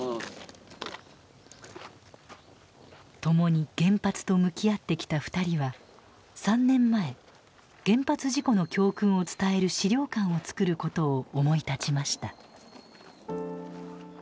共に原発と向き合ってきた２人は３年前原発事故の教訓を伝える資料館をつくることを思い立ちました。